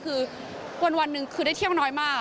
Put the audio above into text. คือวันหนึ่งคือได้เที่ยวน้อยมาก